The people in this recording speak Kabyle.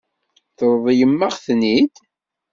Tṛeḍlem-aɣ-ten-id?